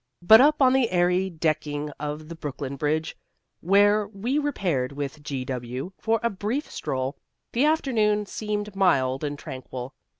But up on the airy decking of the Brooklyn Bridge, where we repaired with G W for a brief stroll, the afternoon seemed mild and tranquil.